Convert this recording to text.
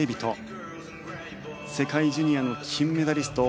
世界ジュニアの金メダリスト。